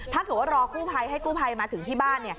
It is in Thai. ถ้าเกิดว่ารอกู้ภัยให้กู้ภัยมาถึงที่บ้าน